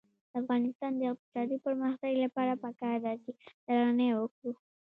د افغانستان د اقتصادي پرمختګ لپاره پکار ده چې درناوی وکړو.